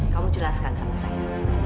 kamu jelaskan sama saya